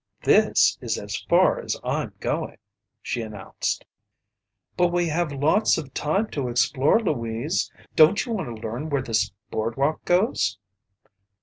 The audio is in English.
"This is as far as I'm going," she announced. "But we have lots of time to explore, Louise. Don't you want to learn where this boardwalk goes?"